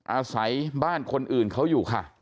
อาศัยบ้านคนอื่นเขาอยู่ค่ะ